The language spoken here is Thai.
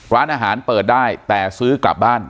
ร้านอาหารเปิดได้แต่ซื้อกลับบ้าน